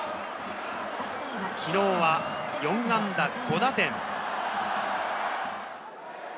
昨日は４安打５打点。